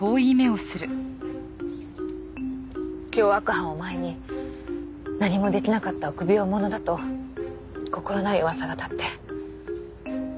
凶悪犯を前に何もできなかった臆病者だと心ない噂が立って。